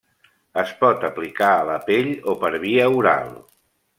Es pot aplicar a la pell o per via oral.